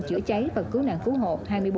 chữa cháy và cứu nạn cứu hồn